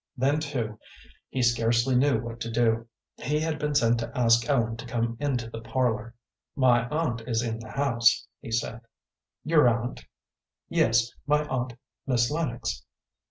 Then, too, he scarcely knew what to do. He had been sent to ask Ellen to come into the parlor. "My aunt is in the house," he said. "Your aunt?" "Yes, my aunt, Miss Lennox."